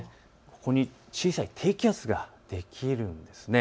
ここに低気圧ができるんです。